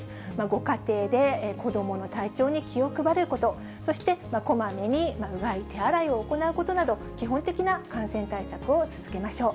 ご家庭で子どもの体調に気を配ること、そしてこまめにうがい、手洗いを行うことなど、基本的な感染対策を続けましょう。